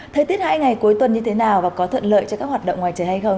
thời tiết hai ngày cuối tuần như thế nào và có thuận lợi cho các hoạt động ngoài trời hay không